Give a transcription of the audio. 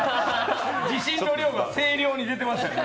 自信が声量に出てましたね。